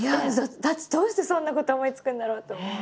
だってどうしてそんなこと思いつくんだろうって。